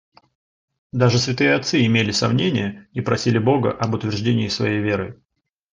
Даже святые отцы имели сомнения и просили Бога об утверждении своей веры.